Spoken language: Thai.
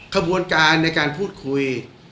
ขบวนการในการพูดคุย